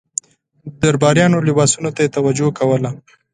درباریانو لباسونو ته یې توجه کوله.